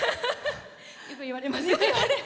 よく言われます。